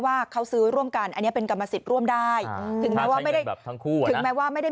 ว่าเขาซื้อร่วมกันอันนี้เป็นกรรมสิทธิ์ร่วมได้ถึงไม่ว่าไม่ได้